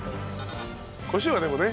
コショウはでもね